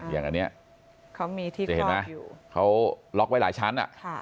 อย่างอันนี้เขามีที่คลอบอยู่เขาล็อกไปหลายชั้น